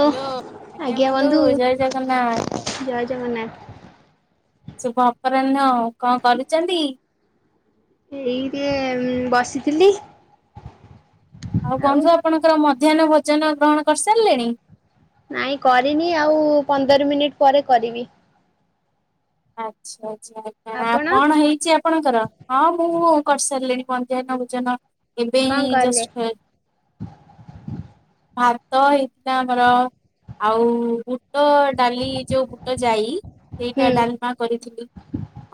ଓ hello ଆଜ୍ଞା ବନ୍ଧୁ ଜୟ ଜଗନ୍ନା ଜୟ ଜଗନ୍ନାଥ। ଶୁଭ ଅପରାହ୍ନ, କଣ କରୁଚନ୍ତି? ଏଇଟେ ଉଁ ବସିଥିଲି। ଆଉ ବନ୍ଧୁ ଆପଣଙ୍କର ମଧ୍ୟାହ୍ନ ଭୋଜନ ଗ୍ରହଣ କରିସାରିଲେଣି? ନାଇଁ କରିନି ଆଉ ପନ୍ଦର ମିନିଟ ପରେ କରିବି। ଆଚ୍ଛା ଆଚ୍ଛା ଆଉ ଆପଣ କଣ ହେଇଚି ଆପଣଙ୍କର ହଁ ମୁଁ କରିସାରିଲିଣି ମଧ୍ୟାହ୍ନ ଭୋଜନ। ଏବେ କଣ ହିଁ କଲେ? ଜଷ୍ଟ [inaudible] ଭାତ ହେଇଥିଲା ଆମର ଆଉ ବୁଟ ଡାଲି ଯୋଉ ବୁଟ ଯାଇ ହୁଁ ସେଇଟା ଡା ଲାମା କରିଥିଲି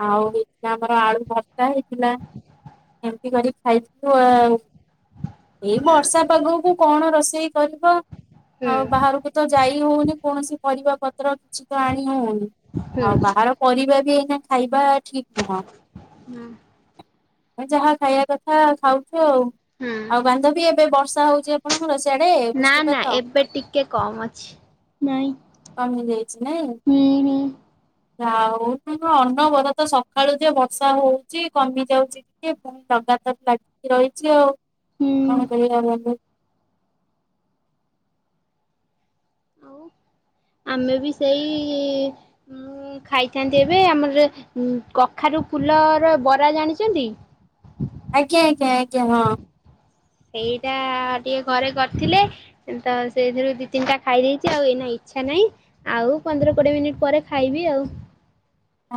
ଆଉ ହେଇଥିଲା ଆମର ଆଳୁ ଭର୍ତ୍ତା ହେଇଥିଲା। ଏମିତି କରିକି ଖାଇଥିଲୁ ଆଉ। ଏଇ ବର୍ଷା ହୁଁ ପାଗକୁ କଣ ରୋଷେଇ କରିବ। ଆଉ ବାହାରୁକୁ ତ ଯାଇ ହଉନି କୌଣସି ପରିବା ପତ୍ର କିଛି ତ ଆଣି ହଉନି। ହୁଁ ଆଉ ବାହାର ପରିବା ବି ଏଇନା ଖାଇବା ଠିକ୍ ନୁହଁ। ହୁଁ ଯାହା ଖାଇବା କଥା ଖାଉଚ ଆଉ, ଆଉ ବାନ୍ଧବି ଏବେ ବର୍ଷା ହଉଚି ଆପଣଙ୍କର ସିଆଡେ ନା ନା ବୃଷ୍ଟିପାତ? ଏବେ ଟିକେ କମ୍ ଅଛି। ନାଇଁ କମି ଯାଇଚି ନାଇଁ। ହୁଁ ହୁଁ। ଯାଆ ହୋଉ କିନ୍ତୁ ଅନବରତ ସକାଳୁ ଯେ ବର୍ଷା ହଉଚି କମି ଯାଉଛି [inaudible] ଲଗାତାର ଲାଗିକି ରହିଛି ଆଉ ହୁଁ କଣ କରିବା ବନ୍ଧୁ? ଆଉ ଆମେ ବି ସେଇ ଉଁ ଖାଇଥାନ୍ତି ଏବେ ଆମର କଖାରୁ ଫୁଲର ବରା ଜାଣିଛନ୍ତି? ଆଜ୍ଞା ଆଜ୍ଞା ଆଜ୍ଞା ହଁ। ସେଇଟା ଟିକେ ଘରେ କରିଥିଲେ ତ ସେଇଥିରୁ ଦି ତିନିଟା ଖାଇ ଦେଇେଛି ଆଉ ଏଇନା ଇଚ୍ଛା ନାହିଁ ଆଉ ପନ୍ଦର କୋଡିଏ ମିନିଟ୍ ପରେ ଖାଇବି ଆଉ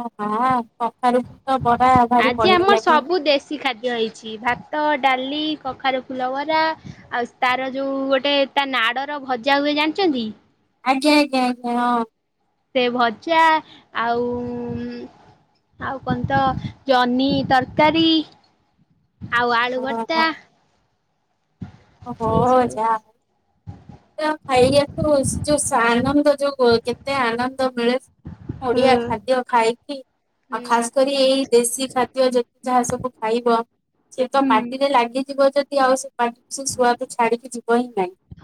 ଅଁ ହା କଖାରୁ ଫୁଲ ବରା ଭାରି ଵଢିଆ ଲାଗେ କିଛି ଖାଦ୍ୟ ହେଇଛି ଭାତ ଡାଲି କଖାରୁ ଫୁଲବରା ଆଉ ତାର ଯୋଉ ଗୋଟେ ତା ନାଡ଼ର ଭଜା ହୁଏ ଜାଣିଛନ୍ତି? ଆଜ୍ଞା ଆଜ୍ଞା ଆଜ୍ଞା ହଁ। ସେ ଭଜା ଆଉ ଉଁ ଆଉ କଣ ତ ଜହ୍ନି ତରକାରୀ ଆଉ ଆଳୁ ହଁ ଭର୍ତ୍ତା ହଁ। ଓହୋ ଏଇସବୁ ଯାଆ ହଉ ଯା ଖାଇବାକୁ ଯୋଉ ସାନନ୍ଦ ଆନନ୍ଦ ଯୋଉ କେତେ ଆନନ୍ଦ ମିଳେ ହୁଁ ଓଡିଆ ଖାଦ୍ୟ ଖାଇକି ହୁଁ। ଆଉ ଖାସ କରି ଏଇ ଦେଶୀ ଖାଦ୍ୟ ଯେତେ ଯାହା ସବୁ ଖାଇବ ସେ ତ ହୁଁ। ପାଟିରେ ଲାଗିଯିବ ଯଦି ଆଉ ସେ ପା ସେ ସୁଆଦ ଛାଡିକି ଯିବ ହିଁ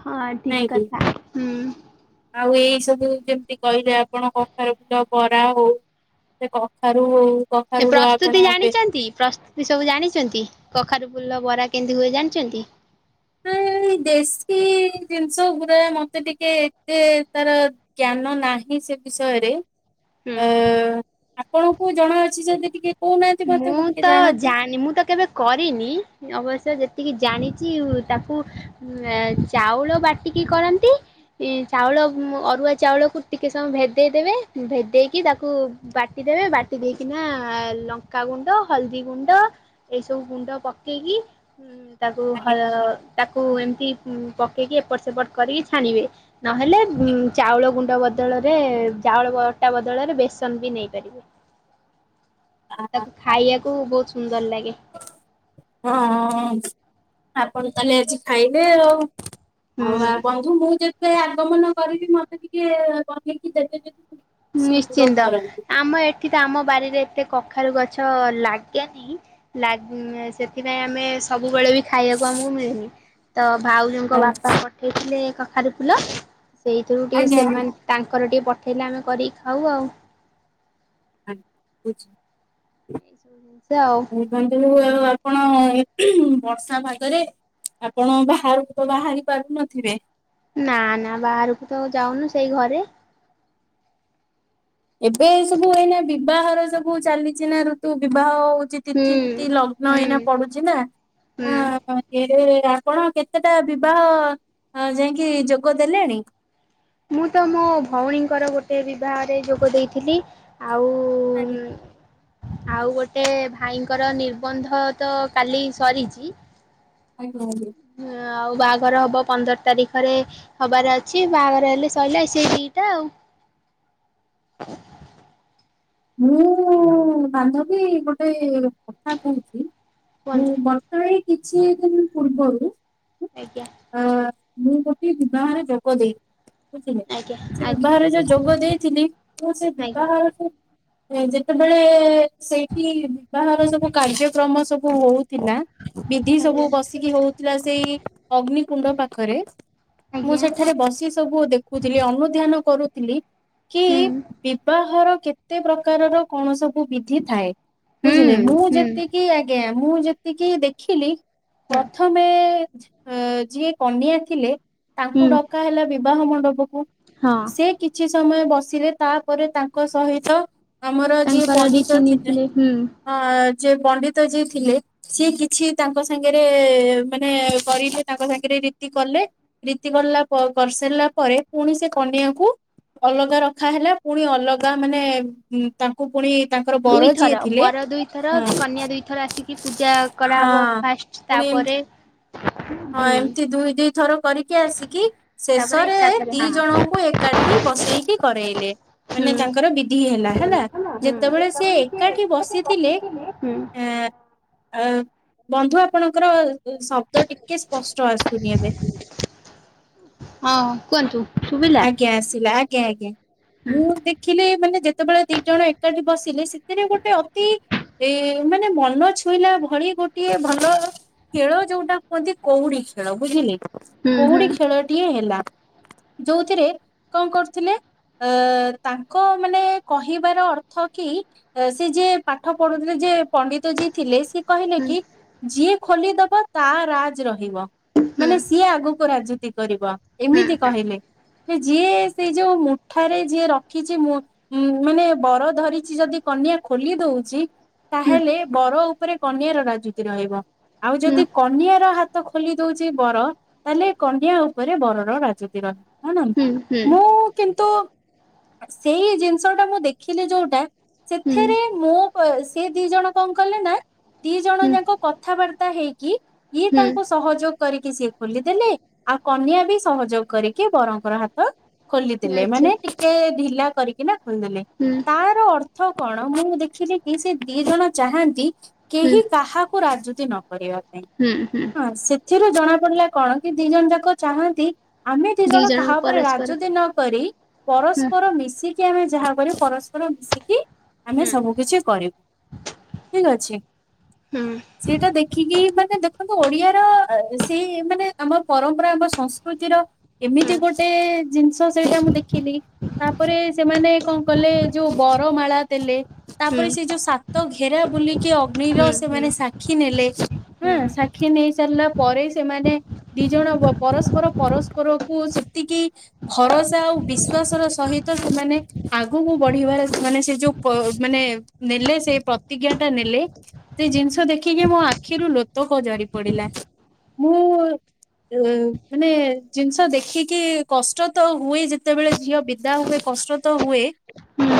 ହଁ ଠିକ ନାହିଁକି? କଥା ହୁଁ। ଆଉ ଏଇ ସବୁ ଜେମିତି କହିଲେ ଆପଣ କଖାରୁ ଫୁଲ ବରା ହଉ ସେ କଖାରୁ କଖାରୁର ପ୍ରସ୍ତୁତି ଆପଣ ଏବେ ଜାଣିଛନ୍ତି ପ୍ର ଏ ସବୁ ଜାଣିଛନ୍ତି କଖାରୁ ଫୁଲ ବରା କେମିତି ହୁଏ ଜାଣିଛନ୍ତି? ଏଇ ଦେଶୀ ଜିନିଷ ଓପରେ ମତେ ଟିକେ ଏତେ ତାର ଜ୍ଞାନ ନାହିଁ ସେ ବିଷୟରେ ହୁଁ। [unintelligible] ଆପଣଙ୍କୁ ଜଣାଅଛି ଯଦି ଟିକେ କହୁନାହାନ୍ତି ମତେ ମୁଁ ଟିକେ ତ ଜାଣନ୍ତି। ଜାଣି ମୁଁ ତ କେବେ କରିନି ଅବଶ୍ୟ ଯେତିକି ଜାଣିଚି ତାକୁ ଚାଉଳ ବାଟିକି କରନ୍ତି ଏଇ ଚାଉଳ ମ ଅରୁଆ ଚାଉଳକୁ ଟିକେ ସମୟ ଭେଦେଇଦେବେ ଭେଦେଇକି ତାକୁ ବାଟି ଦେବେ ବାଟି ଦେଇକିନା ଲ ଲଙ୍କା ଗୁଣ୍ଡ ହଳଦୀ ଗୁଣ୍ଡ ଏସବୁ ଗୁଣ୍ଡ ପକେଇକି ଉଁ ତାକୁ ହ ଆଜ୍ଞା ତାକୁ ଏମିତି ପକେଇକି ଏପଟ ସେପଟ କରିକି ଛାଣିବେ ନହେଲେ ଉଁ ଚାଉଳ ଗୁଣ୍ଡ ବଦଳରେ ଚାଉଳ ଅଟା ବଦଳରେ ବେସନ ବି ନେଇପାରିବେ। ତାକୁ ଖାଇବାକୁ ବହୁତ ସୁନ୍ଦର ଲାଗେ। ହଁ ଅଁ ଆପଣ ତାହାଲେ ଆଜି ଖାଇବେ ଆଉ ହଉ ହୁଁ ଆ ବନ୍ଧୁ ମୁଁ ଯେତେ ଆଗମନ କରିବି ମତେ ଟିକେ ବନେଇକି ଦେବେ ଯଦି ଖୁସି ଅନୁଭବ ନିଶ୍ଚିନ୍ତ କରନ୍ତି। ଆମ ଏଠି ତ ଆମ ବାରିରେ ଏତେ କଖାରୁ ଗଛ ଲାଗେନି ଲାଗ ସେଥିପାଇଁ ଆମେ ସବୁବେଳେ ବି ଖାଇବାକୁ ଆମକୁ ମିଳେନି ତ ଭାଉଜଙ୍କ ବାପା ପଠେଇଥିଲେ କଖାରୁ ଫୁଲ ସେଇଥିରୁ ଟିକେ ଆଜ୍ଞା ଆଜ୍ଞା। ସେମାନେ ତାଙ୍କର ଟିକେ ପଠେଇଲେ ଆମେ କରିକି ଖାଉ ଆଉ। [unintelligible] ସେଆଉ। [inaudible] ଆପଣ ବର୍ଷା ପାଗରେ ଆପଣ ବାହାରୁକୁ ତ ବାହାରି ପାରୁନଥିବେ। ନା ନା ବାହାରୁକୁ ତ ଯାଉନୁ ସେଇ ଘରେ। ଏବେ ଏ ସବୁ ଏଇନା ବିବାହରେ ସବୁ ଚାଲିଚି ନା ଋତୁ ବିବାହ ହଉଚି। ହୁଁ ତିଥି ପିତି ଲଗ୍ନ ହୁଁ ଏଇନା ପଡୁଚି ନା। ହୁଁ ହଁ ଏ ଆପଣ କେତେଟା ବିବାହ ଆଁ ଯାଇଁକି ଯୋଗ ଦେଲେଣି? ମୁଁ ତ ମୋ ଭଉଣୀଙ୍କର ଗୋଟେ ବିବାହରେ ଯୋଗ ଦେଇଥିଲି। ଆଉ ଆଜ୍ଞା। ଉଁ ଆଉ ଗୋଟେ ଭାଇଙ୍କର ନିର୍ବନ୍ଧ ତ କାଲି ସରିଚି। [unintelligible] ହଁ ଆଉ ବାହାଘର ହବ ପନ୍ଦର ତାରିଖରେ ହବାର ଅଛି ବାହାଘର ସଇଲେ ସଇଲା ଏ-ସେଇ ଦିଇଟା ଆଉ। ମୁଁ ବାନ୍ଧବୀ ଗୋଟେ କଥା କହୁଚି ମୁଁ କୁହନ୍ତୁ ବ ପ୍ରାୟ କିଛି ଦିନ୍ ପୂର୍ବରୁ ଆଜ୍ଞା। ଅ ମୁଁ ଗୋଟିଏ ବିବାହରେ ଯୋଗ ଦେଇ ଥିଲି। ଆଜ୍ଞା ସେ ଆଜ୍ଞା ବିବାହରେ ଯେ ଯୋଗ ଦେଇଥିଲି ତ ସେ ଆଜ୍ଞା ବିବାହରକୁ ଯେତେବେଳେ ସେଇଠି ବିବାହର ସବୁ କାର୍ଯ୍ୟକ୍ରମ ସବୁ ହଉ ଥିଲା ବିଧି ସବୁ ଆଜ୍ଞା ବସିକି ହଉଥିଲା ସେଇ ଅଗ୍ନିକୁଣ୍ଡ ପାଖରେ ମୁଁ ଆଜ୍ଞା ସେଠାରେ ବସିସ୍ ସବୁ ଦେଖୁଥିଲି ଅନୁଧ୍ୟାନ କରୁଥିଲି କି ହୁଁ ବିବାହର କେତେ କେତେ ପ୍ରକାରର କଣ ସବୁ ବିଧି ଥାଏ ବୁଝିଲେ ହୁଁ ମୁଁ ହୁଁ ଯେତିକି ଆ ଜ୍ଞା ମୁଁ ଯେତିକି ଦେଖିଲି ହୁଁ ପ୍ରଥମେ ଏ ଯିଏ କନଆ ଥିଲେ ତାଙ୍କୁ ହୁଁ ଡକାହେଲା ବିବାହ ମଣ୍ଡପକୁ। ହଁ। ସେ କିଛି ସମୟ ବସିଲେ ତାପରେ ତାଙ୍କ ସହିତ ଆମର ଯିଏ ତାଙ୍କର ପଣ୍ଡିତ ଥିଲେ ରୀତିନୀତିରେ ହୁଁ ଅଁ ଯିଏ ପଣ୍ଡିତ ଯିଏ ଥିଲେ ସିଏ କିଛି ତାଙ୍କ ସାଙ୍ଗରେ ମାନେ କରିଲେ ତାଙ୍କ ସାଙ୍ଗରେ ରୀତି କଲେ ରୀତି ଗଲା ପ-କରିସାରିଲା ପରେ ପୁଣି ସେ କନିଆକୁ ଅଲଗା ରଖାହେଲା ପୁଣି ଅଲଗା ମାନେ ଗୁଁ ଦୁଇଥର ବର ଦୁଇଥର ହଁ କନ୍ୟା ଦୁଇଥର ଆସିକି ପୂଜା ହଁ କରାହବ ଫାଷ୍ଟ୍ ପୁଣି ତାପରେ ଏମତି ହଁ ହୁଁ ଏମିତି ଦୁଇ ଦୁଇଥର କରିକି ଆସିକି ତାପରେ ଶେଷରେ ଏକାଥରେ ଦି ହଁ ଜଣଙ୍କୁ ଏକାଠି ବସେଇକି କରେଇଲେ ମାନେ ହୁଁ ତାଙ୍କର ବିଧି ହେଲା ହେଲା। ଯେତେବେଳେ ସେ ଏକାଠି ବସିଥିଲେ ଏଁ ଆ ବନ୍ଧୁ ଆପଣଙ୍କର ଶବ୍ଦ ଟିକେ ସ୍ପଷ୍ଟ ଆସୁନି ଏବେ। ହଁ କୁଅନ୍ତୁ ଶୁବିଲା? ଆଜ୍ଞା ଆସିଲା ଆଜ୍ଞା ଆଜ୍ଞା ମୁଁ ଦେଖିଲି ମାନେ ଯେତେବେଳେ ଦି ଜଣ ଏକାଠି ବସିଲେ ସେଥିରେ ଗୋଟେ ଅତି ଏ ମାନେ ଭଲ ଛୁଇଁଲା ଭଳି ଗୋଟିଏ ଭଲ ଖେଳ ଯୋଉଟା କୁହନ୍ତି କଉଡି ଖେଳ ବୁଝିଲେ ହୁଁ ହୁଁ କଉଡି ଖେଳଟିଏ ହେଲା। ଯୋଉଥିରେ କଣ କରୁଥିଲେ ଅ ତାଙ୍କ ମାନେ କହିବାର ଅର୍ଥ କି। ସେ ଯିଏ ପାଠ ପଢୁଥିଲେ ଯେ ପଣ୍ଡିତ ଯିଏ ଥିଲେ ସେ। କହିଲେ ହୁଁ କି ଯିଏ ଖୋଲିଦବ ତା ରାଜ ରହିବ। ହୁଁ ମାନେ ସିଏ ଆଗକୁ ରାଜୁତି କରିବ ହୁଁ ହୁଁ ଏମିତି ହୁଁ ହୁଁ କହିଲେ। ଯିଏ ସେଇ ଯୋଉ ମୁଠାରେ ଯିଏ ରଖିଛି ମୁ ଉ ମାନେ ବର ଧରିଛି ଯଦି କନ୍ୟା ଖୋଲି ଦଉଛି ତାହେଲେ। ବର ଉପରେ କନିଆର ରାଜୁତି ରହିବ। ଆଉ ଯଦି କନିଆର ହାତ ଖୋଲି ଦଉଛି ବର। ତାହେଲେ କନିଆ ଉପରେ ବରର ରାଜୁତି ର ହ ନା ହୁଁ ହୁଁ ମୁଁ ହୁଁ କିନ୍ତୁ ସେଇ ଜିନିଷ ଟା ମୁଁ ଦେଖିଲି ଯୋଉଟା। ସେଥିରେ ମୋ ସେ ଦି ଜଣ କଣ କଲେ ନା। ଦି ଜଣ ଯାକ କଥାବାର୍ତ୍ତା ହେଇକି ଇଏ ହୁଁ ତାଙ୍କୁ। ସହଯୋଗ କରିକି ସିଏ ଖୋଲିଦେଲେ ଆଉ କନିଆ ବି ସହଯୋଗ କରିକି ବରଙ୍କର ହାତ। ଖୋଲିଥିଲେ ଆଚ୍ଛା ମାନେ ଟିକେ ଢିଲା କରିକି ନା ଖୋଲିଦେଲେ। ହୁଁ। ତାର ଅର୍ଥ କଣ ମୁଁ ଦେଖିଲି କି ସେ ଦି ଜଣ ଚାହାନ୍ତି ହୁଁ କେହି କାହା କୁ ରାଜୁତି ନ କରିବା ପାଇଁ। ହୁଁ ହୁଁ। ହଁ ସେଥିରୁ ଜଣା ପଡିଲା କଣ କି ଦି ଜଣ ଯାକ ଚାହାନ୍ତି ଆମେ। ଦି ଜଣ କାହା ଜଣଙ୍କୁ ଉପରେ ପରସ୍ପର ରାଜୁତି ନ କରି ହୁଁ ପରସ୍ପର ମିଶିକି। କି ଆମେ ଯାହା କରିବା ପରସ୍ପର ମିଶିକି। ଆମେ ହୁଁ ସବୁ କିଛି କରିବୁ ଠିକ ଅଛି। ହୁଁ ସେଟା ଦେଖିକି ମାନେ ଦେଖନ୍ତୁ ଓଡିଆର ସେଇ ମାନେ ଆମ ପରମ୍ପରା ଆମ ସଂସ୍କୃତିର। ହୁଁ ଏମିତି ଗୋଟେ ଜିନିଷ ସେଇଟା ମୁଁ ଦେଖିଲି। ତାପରେ ସେମାନେ କଣ କଲେ ଯୋଉ ବରମାଳା ଦେଲେ। ତାପରେ ହୁଁ ସେ ଯୋଉ ସାତ ଘେରା ବୁଲିକି ଅଗ୍ନିର ହୁଁ ସେମାନେ ହୁଁ ସାକ୍ଷୀ ନେଲେ ହଁ। ହୁଁ ସାକ୍ଷୀ ନେଇ ସାରିଲା ପରେ ସେମାନେ ଦି ଜଣ ପରସ୍ପର ପରସ୍ପରକୁ ସେତିକି। ଭରସା ଆଉ ବିଶ୍ଵାସର ସହିତ ସେମାନେ। ଆଗକୁ ବଢିବାର ମାନେ ସେ ଯୋଉ ମାନେ ନେଲେ ସେ ପ୍ରତିଜ୍ଞାଟା ନେଲେ। ସେ ଜିନିଷ ଦେଖିକି ମୋ ଆଖିରୁ ଲୋତକ ଝରି ପଡିଲା। ମୁଁ ମାନେ ଜିନ ତ ଦେଖିକି କଷ୍ଟ ତ ହୁଏ ଯେତେବେଳେ ଝିଅ ବିଦା ହୁଏ କଷ୍ଟ ତ ହୁଏ।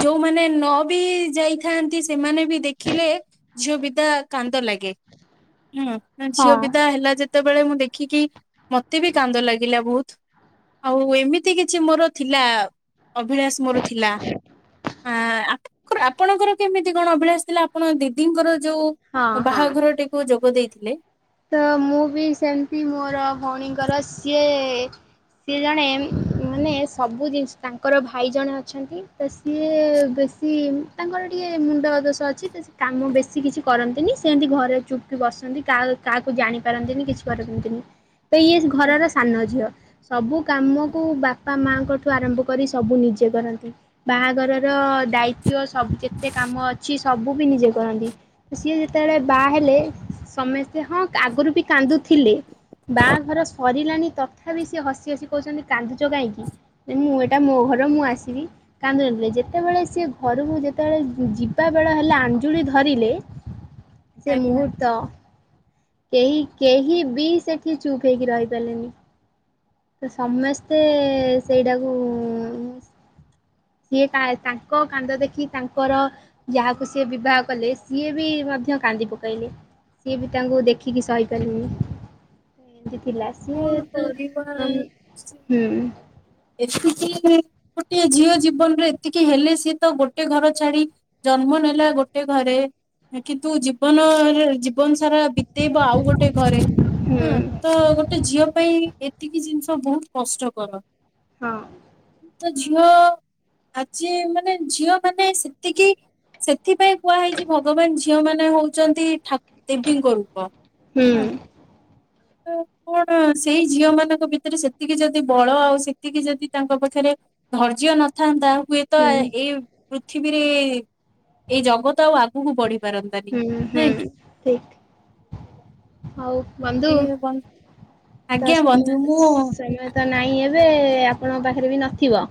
ଯୋଉମାନେ ନ ବି ଯାଇଥାନ୍ତି ସେମାନେ ବି ଦେଖିଲେ। ଝିଅ ବିଦା କାନ୍ଦ ଲାଗେ, ହୁଁ। ନା ଝିଅ ହଁ ବିଦା ହେଲା ଯେତେବେଳେ ମୁଁ ଦେଖିକି ମତେ ବି କାନ୍ଦ ଲାଗିଲା ବହୁତ। ଆଉ ଏମିତି କିଛି ମୋର ଥିଲା ଅଭିଳାଷ ମୋର ଥିଲା। ଆ ଆପଣଙ୍କର କେମିତି କଣ ଅଭିଳାଷ ଥିଲା ଆପଣ ଦିଦିଙ୍କର ଯୋଉ। ହଁ ହଁ ବାହାଘରଟିକୁ ଯୋଗ ଦେଇଥିଲେ। ତ ମୁଁ ବି ସେମିତି ମୋର ଭଉଣୀଙ୍କର ସିଏ ସିଏ ଜଣେ। ମାନେ ସବୁ ଜିନିଷ ତାଙ୍କର ଭାଇ ଜଣେ ଅଛନ୍ତି ତ ସିଏ ବେଶୀ। ତାଙ୍କର ଟିକିଏ ମୁଣ୍ଡଦୋଷ ଅଛି ତ ସେ କାମ ବେଶୀ କିଛି କରନ୍ତିନି ସେମିତି ଘରେ ଚୁପ ହେଇବସନ୍ତି କାହା କାହାକୁ ଜାଣିପାରନ୍ତିନି କିଛି କରନ୍ତିନି ତ ଇଏ ଆଜ୍ଞା ଘରର ସାନ ଝିଅ। ସବୁକାମକୁ ବାପାମାଙ୍କଠୁ ଆରମ୍ଭ କରି ସବୁ ନିଜେ କରନ୍ତି। ବାହାଘରର ଦାୟିତ୍ଵ ସବୁ ଯେତେ କାମ ଅଛି ସବୁ ବି ନିଜେ କରନ୍ତି। ସିଏ ଯେତେବେଳେ ବାହା ହେଲେ ସମସ୍ତେ ହଁ ଆଗରୁ ବି କାନ୍ଦୁଥିଲେ। ବାହାଘର ସରିଲାଣି ତଥାବି ସିଏ ହସି ହସି କହୁଚନ୍ତି କାନ୍ଦୁଚ କାଇଁକି? ଏ ମୁଁ ଏଟା ମୋ ଘର ମୁଁ ଆସିବି। କାନ୍ଦୁ ନଥିଲେ ଯେତେବେଳେ ସିଏ ଘରୁକୁ ଯେତେବେଳେ ଯିବାବେଳ ହେଲା ଆଞ୍ଜୁଳି ଧରିଲେ। ସେ ଆଜ୍ଞା ମୁହୂର୍ତ୍ତ। କେହି କେହି ବି ସେଠି ଚୁପ୍ ହେଇକି ରହିପାରିଲେନି। ତ ସମେସ୍ତେ ସେଇଟାକୁ। ସିଏ ତା ତାଙ୍କ କାନ୍ଦ ଦେଖି ତାଙ୍କର। ଯାହାକୁ ସିଏ ବିବାହକଲେ ସିଏ ବି ମଧ୍ୟ କାନ୍ଦି ପକାଇଲେ। ସିଏ ବି ତାଙ୍କୁ ଦେଖିକି ସହିପାରିଲେନି ତ ଏନ୍ତି ଥିଲା। ସିଏ କଣ ତ କରିବା ଉଁ, ସେ। ହୁଁ ଏତିକି ଯେ ଗୋଟେ ଝିଅ ଜୀବନରେ ଏତିକି ହେଲେ ସିଏ ତ ଗୋଟେ ଘର ଛାଡି। ଜନ୍ମ ନେଲା ଗୋଟେ ଘରେ କିନ୍ତୁ ଜୀବନରେ ଜୀ ବନ ସାରା ବିତେଇବ ଆଉ ଗୋଟେ ଘରେ ହୁଁ ଅଁ ତ ଗୋଟେ ଝିଅ ପାଇଁ। କି ଏତିକି ଜିନିଷ ବହୁତ କଷ୍ଟକର ହଁ ତ ଝିଅ। ଆଜି ମାନେ ଝିଅମାନେ ସେତିକି। ସେଥିପାଇଁ କୁହାହେଇଛି ଭଗବାନ ଝିଅମାନେ ହଉଚନ୍ତି ଠା ଦେବୀଙ୍କ ରୂପ ହୁଁ ଆଁ। ତ କଣ ସେଇ ଝିଅମାନଙ୍କ ଭିତରୁ ସେତିକି ଯଦି ବଳ ଆଉ ସେତିକି ଯଦି ତାଙ୍କ ପାଖେରେ। ଧୈର୍ଯ୍ୟ ନଥାନ୍ତା ହୁଏତ ହୁଁ ଏ ଏଇ ପୃଥିବୀରେ ଏଇ ଜଗତ ଆଉ ଆ ଗୁକୁ ବଢି ପାରନ୍ତାନି ହୁଁ ନାଇଁ ହୁଁ କି? ଠିକ ହଉ ବନ୍ଧୁ ଏଇଆ ବନ୍ଧୁ ଆଜ୍ଞା ଦଶ ମିନିଟ ବନ୍ଧୁ ହେଲା ମୁଁ ସେ ସଇଲା। ତ ନାଇଁ ଏବେ ଆପଣଙ୍କ ପାଖରେ ବି ନଥିବ।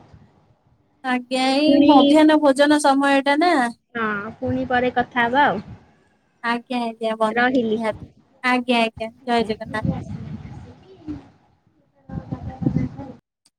ଆଜ୍ଞା ଆମେ ଏଇ ପୁଣି ମଧ୍ୟାହ୍ନ ଭୋଜନ ସମୟଟା ନା। ହଁ ପୁଣି ପରେ କଥା ହବା ଆଉ। ଆଜ୍ଞା ଆଜ୍ଞା ରହିଲି ବନ୍ଧୁ ନିହାତି ଆଜ୍ଞା ଆଜ୍ଞା ଜୟ ଜଗନ୍ନାଥ।